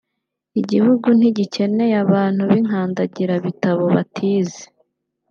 Igihugu ntigikeneye abantu b’inkandagirabitabo batize